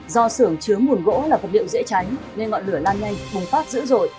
do xưởng chứa mùn gỗ là vật liệu dễ cháy nên ngọn lửa lan nhanh bùng phát dữ dội